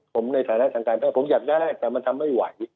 ผมในฐานะทางการแพทย์ผมอยากได้แต่มันทำไม่ไหว